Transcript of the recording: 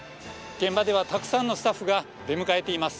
現場では、たくさんのスタッフが出迎えています。